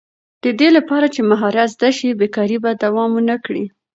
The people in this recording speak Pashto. د دې لپاره چې مهارت زده شي، بېکاري به دوام ونه کړي.